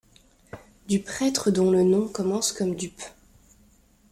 Du prêtre dont le nom commence comme dupe